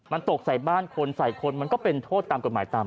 มันตกใส่บ้านคนใส่คนมันก็เป็นโทษตามกฎหมายตาม